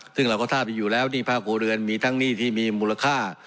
ซึ่งเราก็ทราบดีอยู่แล้วหนี้ภาคครัวเรือนมีทั้งหนี้ที่มีมูลค่า